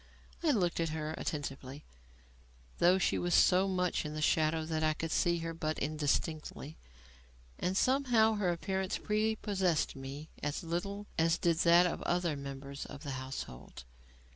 I looked at her attentively (though she was so much in the shadow that I could see her but indistinctly) and somehow her appearance prepossessed me as little as did that of the other members of the household.